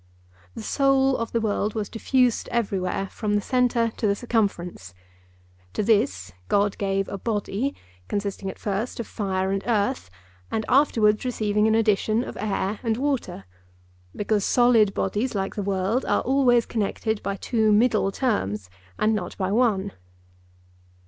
The soul of the world was diffused everywhere from the centre to the circumference. To this God gave a body, consisting at first of fire and earth, and afterwards receiving an addition of air and water; because solid bodies, like the world, are always connected by two middle terms and not by one.